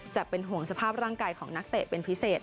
จะเป็นห่วงสภาพร่างกายของนักเตะเป็นพิเศษ